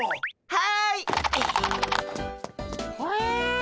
はい。